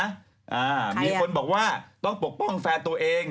ใครอย่างนั้นมีคนบอกว่าต้องปกป้องแฟนตัวเอง